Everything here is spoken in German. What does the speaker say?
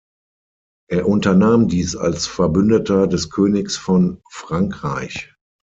Er unternahm dies als Verbündeter des Königs von Frankreich.